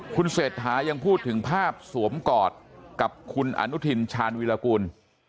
คุณเศรษฐายังพูดถึงภาพสวมกอดกับคุณอนุทินชาญวิรากูล